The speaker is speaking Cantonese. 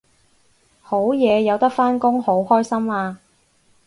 好嘢有得返工好開心啊！